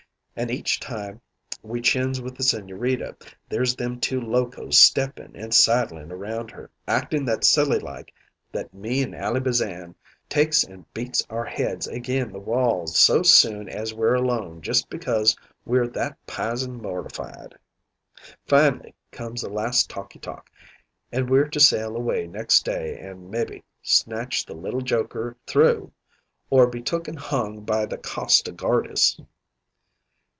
An' each time we chins with the Sigñorita there's them two locoes steppin' and sidle'n' around her, actin' that silly like that me and Ally Bazan takes an' beats our heads agin' the walls so soon as we're alone just because we're that pizen mortified. "Fin'ly comes the last talky talk an' we're to sail away next day an' mebbee snatch the little Joker through or be took an' hung by the Costa Guardas.